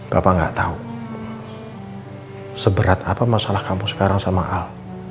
bapak nggak tahu seberat apa masalah kamu sekarang sama al